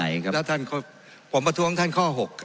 นะท่านผมประทวงท่านข้อหก